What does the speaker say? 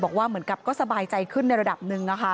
บอกว่าเหมือนกับก็สบายใจขึ้นในระดับหนึ่งนะคะ